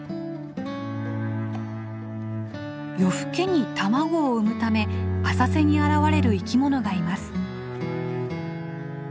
夜更けに卵を産むため浅瀬に現れる生きものがいます。